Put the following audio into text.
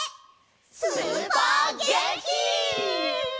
スーパーげんき！